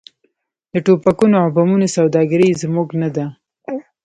د ټوپکونو او بمونو سوداګري یې زموږ نه ده.